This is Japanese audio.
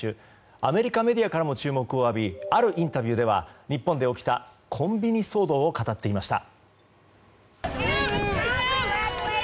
アメリカメディアからも注目を浴びあるインタビューでは日本で起きたコンビニ騒動を語っていました。